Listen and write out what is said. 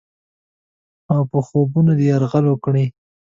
اوپه خوبونو دې یرغل وکړم؟